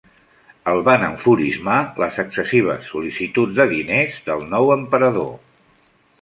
El van enfurismar les excessives sol·licituds de diners del nou emperador.